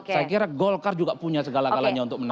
saya kira golkar juga punya segala kalanya untuk menang